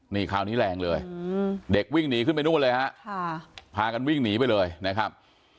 นี่คราวนี้แรงเลยเด็กวิ่งหนีขึ้นไปนู่นเลยฮะพากันวิ่งหนีไปเลยนะครับ